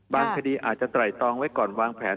คดีอาจจะไตรตองไว้ก่อนวางแผน